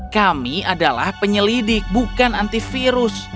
kami adalah penyelidik bukan antivirus